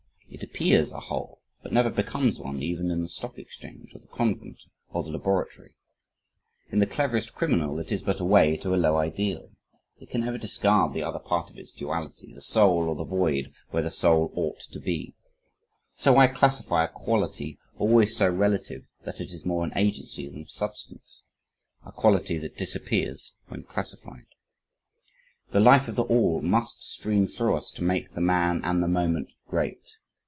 It appears a whole but never becomes one even in the stock exchange, or the convent, or the laboratory. In the cleverest criminal, it is but a way to a low ideal. It can never discard the other part of its duality the soul or the void where the soul ought to be. So why classify a quality always so relative that it is more an agency than substance; a quality that disappears when classified. "The life of the All must stream through us to make the man and the moment great."